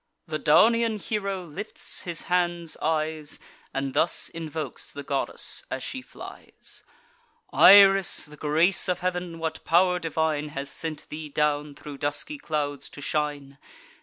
The Daunian hero lifts his hands and eyes, And thus invokes the goddess as she flies: "Iris, the grace of heav'n, what pow'r divine Has sent thee down, thro' dusky clouds to shine?